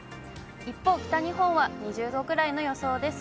一方、北日本は２０度くらいの予想です。